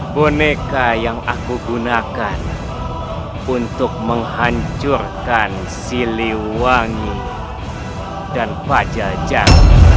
boneka yang aku gunakan untuk menghancurkan siliwangi dan pajajar